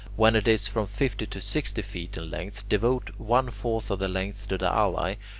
When it is from fifty to sixty feet in length, devote one fourth of the length to the alae.